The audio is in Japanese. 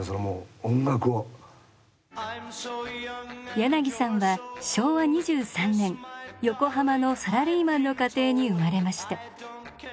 柳さんは昭和２３年横浜のサラリーマンの家庭に生まれました。